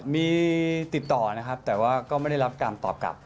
มีติดต่อนะครับแต่ว่าก็ไม่ได้รับการตอบกลับ